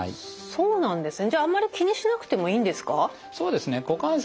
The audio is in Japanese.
そうなんですね。